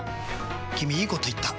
君いいこと言った！